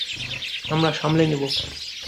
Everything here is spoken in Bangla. আমরা সামলে নিব।